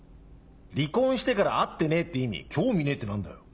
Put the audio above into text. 離婚してから会ってねえって意味「興味ねえ」って何だよ。